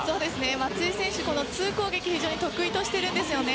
松井選手ツー攻撃を非常に得意としているんですよね。